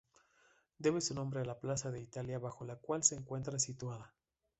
Debe su nombre a la plaza de Italia bajo la cual se encuentra situada.